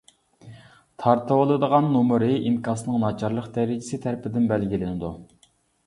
تارتىۋالىدىغان نومۇرى ئىنكاسنىڭ ناچارلىق دەرىجىسى تەرىپىدىن بەلگىلىنىدۇ.